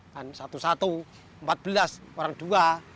kan satu satu empat belas orang dua